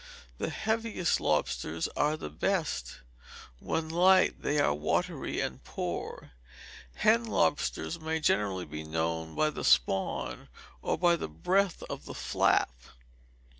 The heaviest lobsters are the best; when light they are watery and poor. Hen lobsters may generally be known by the spawn, or by the breadth of the "flap."